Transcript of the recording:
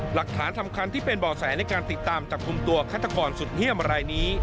หลักฐานสำคัญที่เป็นเบาะแสในการติดตามจับคุมตัวคัตฯกรสุดเหี้ยมมาลัยนี้